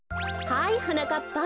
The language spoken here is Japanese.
はいはなかっぱ。